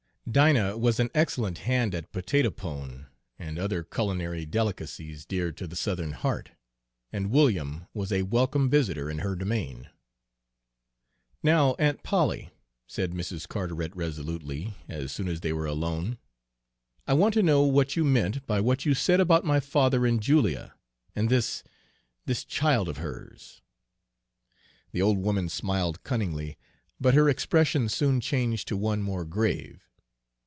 Dinah was an excellent hand at potato pone and other culinary delicacies dear to the Southern heart, and William was a welcome visitor in her domain. "Now, Aunt Polly," said Mrs. Carteret resolutely, as soon as they were alone, "I want to know what you meant by what you said about my father and Julia, and this this child of hers?" The old woman smiled cunningly, but her expression soon changed to one more grave.